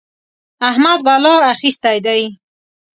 احمد بلا اخيستی دی.